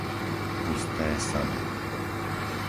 Pusté Sady